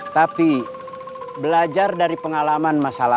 tapi belajar dari pengalaman masalah